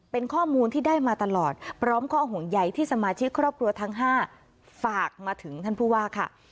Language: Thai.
เป็นข้อมูลที่ได้มาตลอดพร้อมข้อห่วงใยที่สมาชิกครอบครัวทั้ง๕ฝากมาถึงท่านผู้ว่าค่ะ